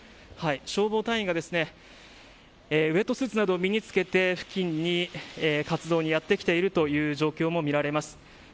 消防隊員がウエットスーツなどを身につけて付近に活動にやって来ている状況も見られます。